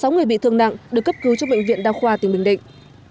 sáu người bị thương nặng được cấp cứu cho bệnh viện đa khoa tỉnh bình định